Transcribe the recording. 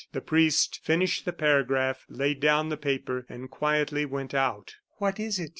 The priest finished the paragraph, laid down the paper, and quietly went out. "What is it?"